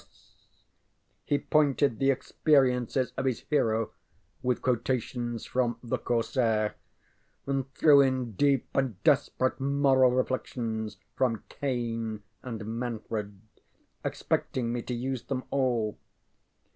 ŌĆØ He pointed the experiences of his hero with quotations from ŌĆ£The Corsair, ŌĆØ and threw in deep and desperate moral reflections from ŌĆ£CainŌĆØ and ŌĆ£Manfred, ŌĆØ expecting me to use them all.